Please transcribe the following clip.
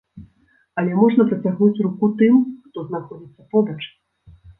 Але можна працягнуць руку тым, хто знаходзіцца побач.